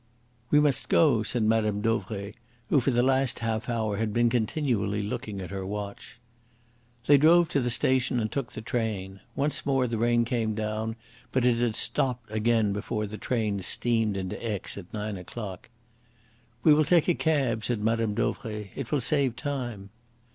"We must go," said Mme. Dauvray, who for the last half hour had been continually looking at her watch. They drove to the station and took the train. Once more the rain came down, but it had stopped again before the train steamed into Aix at nine o'clock. "We will take a cab," said Mme. Dauvray: "it will save time."